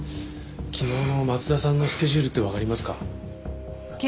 昨日の松田さんのスケジュールってわかりますか？